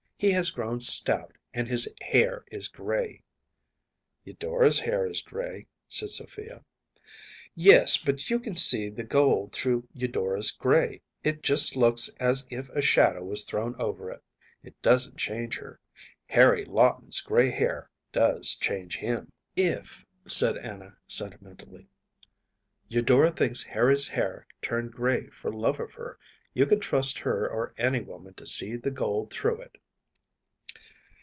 He has grown stout, and his hair is gray.‚ÄĚ “Eudora’s hair is gray,‚ÄĚ said Sophia. “Yes, but you can see the gold through Eudora’s gray. It just looks as if a shadow was thrown over it. It doesn’t change her. Harry Lawton’s gray hair does change him.‚ÄĚ ‚ÄúIf,‚ÄĚ said Anna, sentimentally, “Eudora thinks Harry’s hair turned gray for love of her, you can trust her or any woman to see the gold through it.